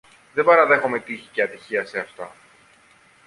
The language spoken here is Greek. Δεν παραδέχομαι τύχη και ατυχία σε αυτά